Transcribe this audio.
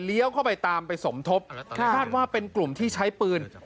เข้าไปตามไปสมทบคาดว่าเป็นกลุ่มที่ใช้ปืน